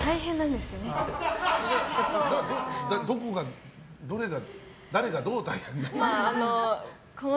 どこが、誰が、どう大変なの？